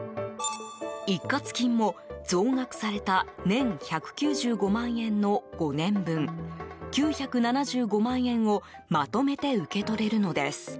一括金も、増額された年１９５万円の５年分９７５万円をまとめて受け取れるのです。